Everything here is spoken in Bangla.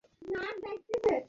কিন্তু, আমার কিইবা করার ছিলো।